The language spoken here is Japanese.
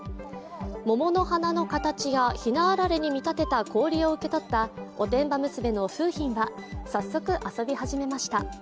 桃の花の形や、ひなあられに見立てた氷を受け取ったおてんば娘の楓浜は早速、遊び始めました。